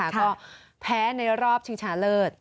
ก็แพ้ในรอบชิงชนะเลิศ